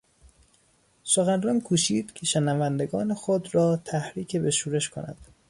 سخنران کوشید که شنوندگان خود را تحریک به شورش کند.